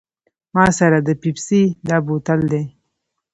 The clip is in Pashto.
ما سره د پیپسي دا بوتل دی.